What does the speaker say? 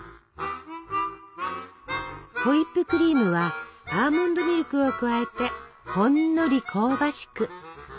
ホイップクリームはアーモンドミルクを加えてほんのり香ばしく。